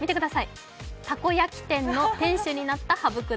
たこ焼き店の店主になった羽生九段。